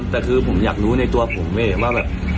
แต่คือผมอยากรู้ในตัวผมเองว่าแบบ